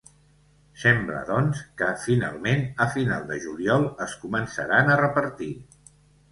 Sembla, doncs, que, finalment, a final de juliol es començaran a repartir!